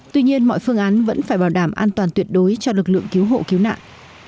tuy nhiên mọi phương án vẫn phải bảo đảm an toàn tuyệt đối cho lực lượng cứu hộ cứu nạn